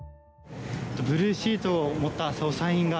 ブルーシートを持った捜査員が